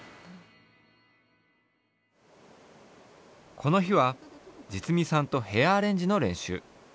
この日はじつみさんとヘアアレンジの練習。